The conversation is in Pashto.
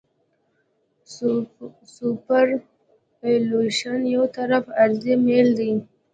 سوپرایلیویشن یو طرفه عرضي میل دی